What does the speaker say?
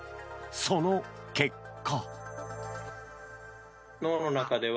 その結果。